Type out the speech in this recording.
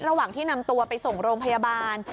ระหว่างที่นำตัวไปส่งโรงพยาบาล